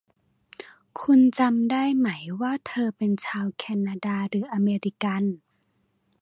คุณจำได้ไหมว่าเธอเป็นชาวแคนาดาหรืออเมริกัน